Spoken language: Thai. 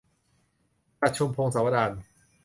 ประชุมพงศาวดาร